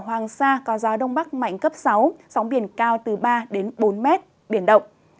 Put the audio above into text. hoàng sa có gió đông bắc mạnh cấp sáu sóng biển cao từ ba bốn m biển động